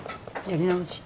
やり直し。